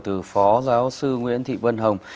từ phó giáo sư nguyễn thị vân hồng